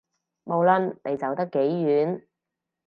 無論你走得幾遠